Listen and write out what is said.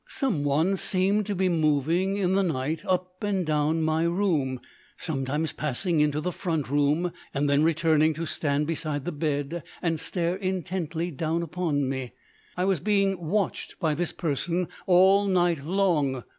Someone seemed to be moving in the night up and down my room, sometimes passing into the front room, and then returning to stand beside the bed and stare intently down upon me. I was being watched by this person all night long.